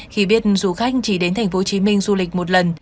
khi biết du khách chỉ đến tp hcm du lịch một lần